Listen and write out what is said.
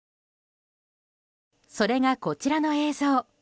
それが、こちらの映像。